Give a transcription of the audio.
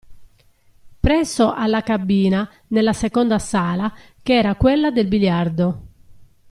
Presso alla cabina, nella seconda sala, ch'era quella del biliardo.